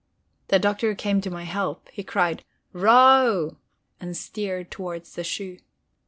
The Doctor came to my help; he cried "Row," and steered towards the shoe.